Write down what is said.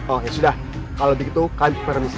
oh ya sudah kalau begitu kak permisi